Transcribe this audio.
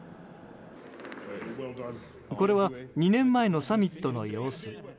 これは２年前のサミットの様子。